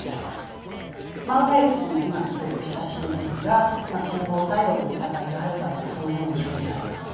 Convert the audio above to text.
万が一今記録した心電図が心房細動の疑いがある場合はそのように表示されます。